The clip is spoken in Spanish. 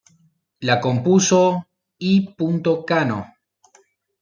La compuso I. Cano.